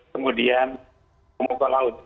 kemudian muka laut